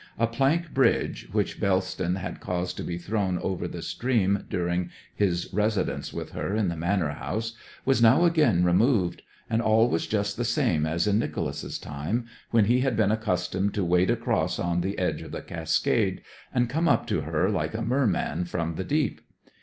A plank bridge, which Bellston had caused to be thrown over the stream during his residence with her in the manor house, was now again removed, and all was just the same as in Nicholas's time, when he had been accustomed to wade across on the edge of the cascade and come up to her like a merman from the deep.